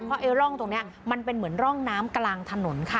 เพราะไอ้ร่องตรงนี้มันเป็นเหมือนร่องน้ำกลางถนนค่ะ